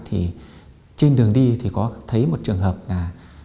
thì trên đường đi thì có thấy một trường hợp là